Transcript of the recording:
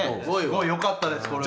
すごいよかったです